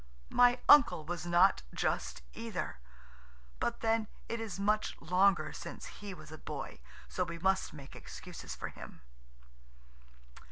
My uncle was not just either, but then it is much longer since he was a boy, so we must make excuses for him.